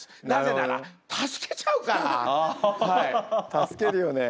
助けるよね。